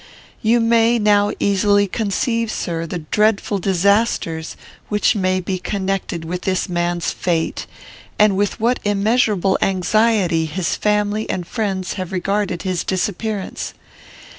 "'You may now easily conceive, sir, the dreadful disasters which may be connected with this man's fate, and with what immeasurable anxiety his family and friends have regarded his disappearance.